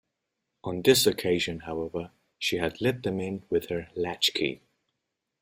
On this occasion, however, she had let them in with her latchkey.